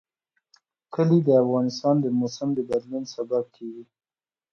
کلي د افغانستان د موسم د بدلون سبب کېږي.